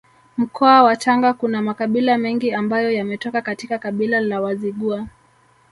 Mkoa wa Tanga kuna makabila mengi ambayo yametoka katika kabila la Wazigua